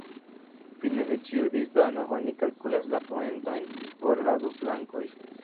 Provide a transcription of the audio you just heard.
Fine de ĉiu "disdono" oni kalkulas la poentojn por la du flankoj.